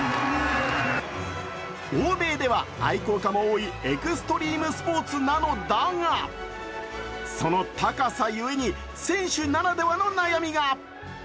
欧米では愛好家も多いエクストリームスポーツなのだがその高さゆえに選手ならではの悩みが。